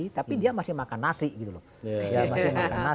tapi dia masih makan nasi gitu loh